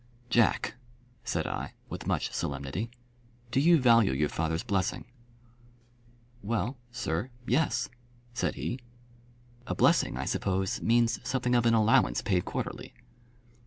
"Jack," said I, with much solemnity, "do you value your father's blessing?" "Well; sir, yes," said he. "A blessing, I suppose, means something of an allowance paid quarterly."